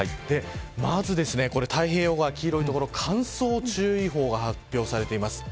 まず太平洋側、黄色い所乾燥注意報が発表されています。